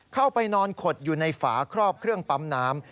เข้าไปนอนขดอยู่ในฝาครอบเครื่องปั๊มน้ำ